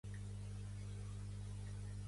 Pertany al moviment independentista la Pepi?